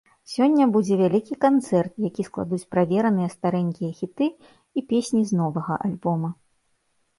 Сёння будзе вялікі канцэрт, які складуць правераныя старэнькія хіты і песні з новага альбома.